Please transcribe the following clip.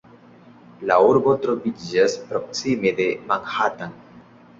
La urbo troviĝas proksime de Manhattan.